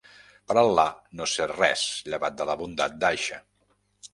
Per Al·là, no sé res llevat de la bondat d'Àïxa.